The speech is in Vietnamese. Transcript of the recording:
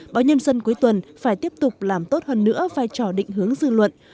báo nhân dân cuối tuần phải tiếp tục làm tốt hơn nữa vai trò định hướng dư luận